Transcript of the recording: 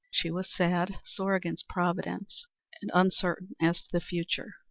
She was sad, sore against Providence, and uncertain as to the future.